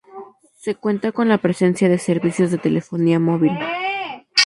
Se cuenta con la presencia de servicios de telefonía móvil.